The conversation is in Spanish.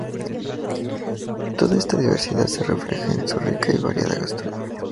Toda esta diversidad, se refleja en su rica y variada gastronomía.